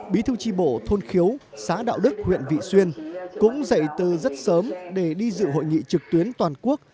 bí thư tri bộ thôn khiếu xã đạo đức huyện vị xuyên cũng dạy từ rất sớm để đi dự hội nghị trực tuyến toàn quốc